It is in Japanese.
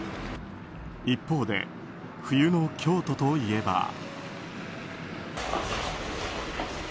一方で冬の京都といえば。